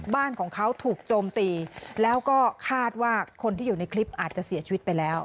บ้านของเขาถูกโจมตีแล้วก็คาดว่าคนที่อยู่ในคลิปอาจจะเสียชีวิตไปแล้ว